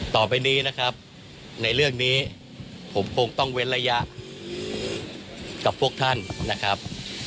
ต่อไปนี้นะครับในเรื่องนี้ผมคงต้องเว้นระยะกับพวกท่านนะครับ